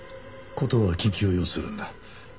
事は緊急を要するんだ。